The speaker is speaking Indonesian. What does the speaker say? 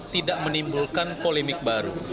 tidak menimbulkan polemik balik